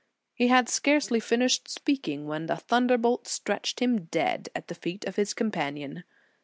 "j He had scarcely finished speaking, when a thunderbolt stretched him dead at the feet of his companion.